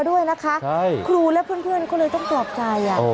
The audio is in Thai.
โอ้โฮโอ้โฮ